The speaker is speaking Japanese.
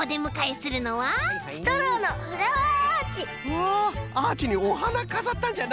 わあっアーチにおはなかざったんじゃな！